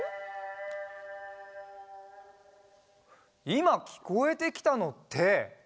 いまきこえてきたのって。